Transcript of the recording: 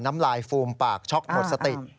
น้ำลายฟูมปากช็อกหมดสติ